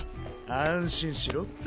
安心しろって。